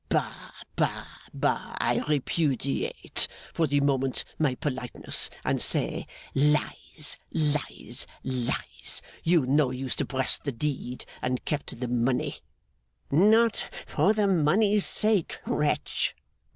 'Bah, bah, bah! I repudiate, for the moment, my politeness, and say, Lies, lies, lies. You know you suppressed the deed and kept the money.' 'Not for the money's sake, wretch!